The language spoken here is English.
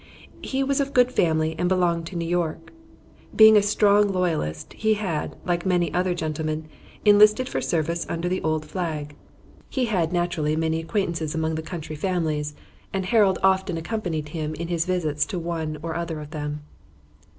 He was of good family and belonged to New York. Being a strong loyalist, he had, like many other gentlemen, enlisted for service under the old flag. He had, naturally, many acquaintances among the county families, and Harold often accompanied him in his visits to one or other of them.